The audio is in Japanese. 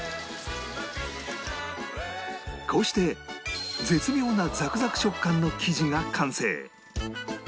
こうして絶妙なザクザク食感の生地が完成！